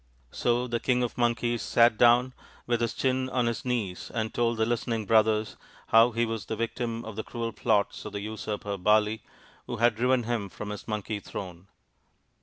So the King of the Monkeys sat down with his chin on his knees and told the listening brothers how he was the victim of the cruel plots of the usurper Bali, who had driven him from his monkey throne.